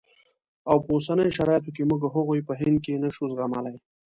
او په اوسنیو شرایطو کې موږ هغوی په هند کې نه شو زغملای.